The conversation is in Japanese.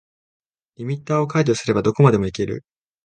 リミッターを解除すればどこまでもいける